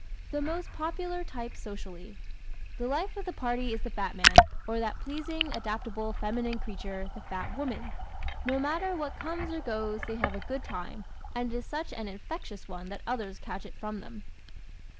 The Most Popular Type Socially ¶ "The life of the party" is the fat man or that pleasing, adaptable, feminine creature, the fat woman. No matter what comes or goes they have a good time and it is such an infectious one that others catch it from them.